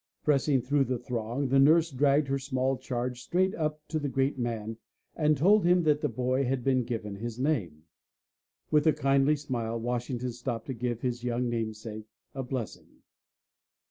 Pressing through the throng, the nurse dragged her small charge straight up to the great man and told him that the boy had been given his name. With a kindly smile Washington stopped to give his young namesake his blessing.